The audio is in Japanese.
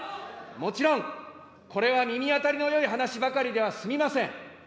もちろん、これは耳当たりのよい話ばかりでは済みません。